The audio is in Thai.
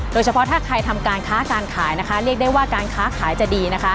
โดยเฉพาะถ้าใครทำการค้าการขายนะคะเรียกได้ว่าการค้าขายจะดีนะคะ